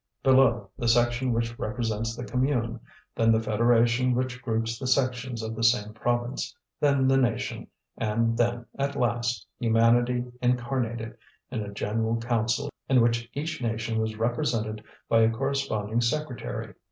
Below, the section which represents the commune; then the federation which groups the sections of the same province; then the nation; and then, at last, humanity incarnated in a general council in which each nation was represented by a corresponding secretary.